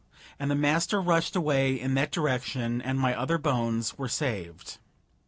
and the master rushed away in that direction, and my other bones were saved.